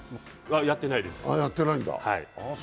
やっていないです。